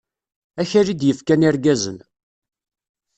Akal i d-yefkan irgazen.